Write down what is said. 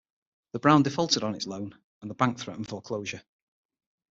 The Brown defaulted on its loan, and the bank threatened foreclosure.